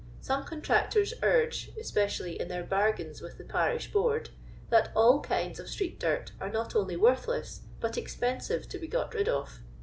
Some contractors urge, especially in their bargains with the parish bosurd, that all kinds of street dirt are not only worthlesij, but expensive to be got rid of.